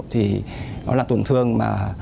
thì nó là tổn thương mà